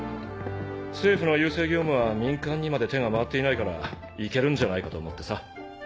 政府の郵政業務は民間にまで手が回っていないから行けるんじゃないかと思ってさ。